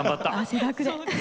汗だくで。